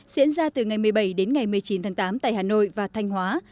diễn ra từ ngày một mươi bảy đến ngày một mươi chín tháng tám tại hà nội và thanh hóa